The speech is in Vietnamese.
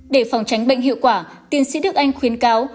để phòng tránh bệnh hiệu quả tiến sĩ đức anh khuyến cáo